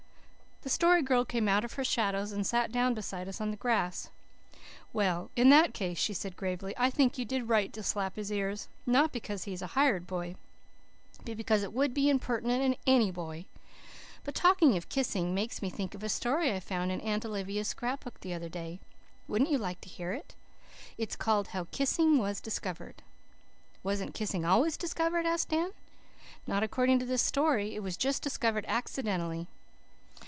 The Story Girl came out of her shadows and sat down beside us on the grass. "Well, in that case," she said gravely, "I think you did right to slap his ears not because he is a hired boy, but because it would be impertinent in ANY boy. But talking of kissing makes me think of a story I found in Aunt Olivia's scrapbook the other day. Wouldn't you like to hear it? It is called, 'How Kissing Was Discovered.'" "Wasn't kissing always discovered?" asked Dan. "Not according to this story. It was just discovered accidentally."